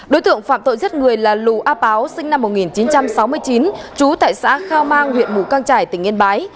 đối tượng phạm tội giết người là lù a páo sinh năm một nghìn chín trăm sáu mươi chín trú tại xã khao mang huyện mù căng trải tỉnh yên bái